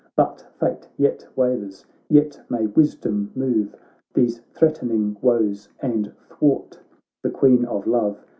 But fate yet wavers — ^yet may wisdom move These threatening woes and thwart the Queen of Love.